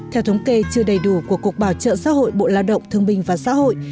theo thống kê chưa đầy đủ của cục bảo trợ xã hội bộ lao động thương binh và xã hội